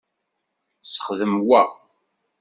Sexdem wa!